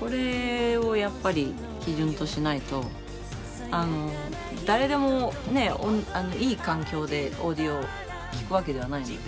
これをやっぱり基準としないと誰でもねいい環境でオーディオ聴くわけではないので。